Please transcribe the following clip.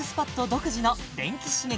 独自の電気刺激